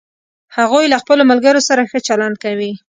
هغوی له خپلوملګرو سره ښه چلند کوي